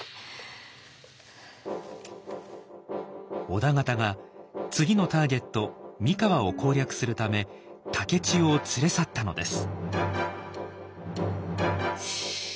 織田方が次のターゲット三河を攻略するため竹千代を連れ去ったのです。